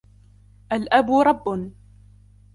الْأَبُ رَبٌّ